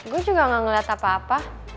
gue juga gak ngelihat apa apa